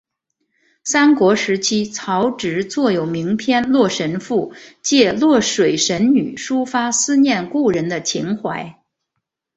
三国时期曹植作有名篇洛神赋借洛水神女抒发思念故人的情怀。